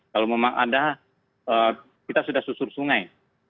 kalau memang ada kita sudah susur sungai